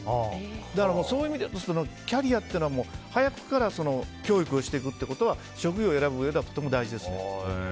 だから、そういう意味ではキャリアっていうのは早くから教育をしていくことは職業を選ぶうえでとても大事ですね。